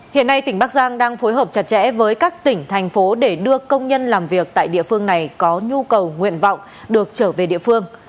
hiện nay tỉnh bắc giang đang phối hợp chặt chẽ với các tỉnh thành phố để đưa công nhân làm việc tại địa phương này có nhu cầu nguyện vọng được trở về địa phương